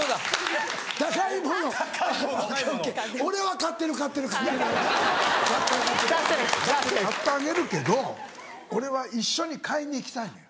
買ってあげるけど俺は一緒に買いに行きたいのよ。